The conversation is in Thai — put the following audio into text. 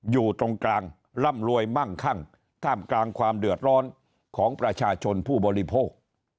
อยู่ตรงกลางร่ำรวยมั่งคั่งท่ามกลางความเดือดร้อนของประชาชนผู้บริโภค